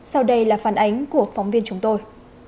sau đây là phản ánh của phóng viên chúng tôi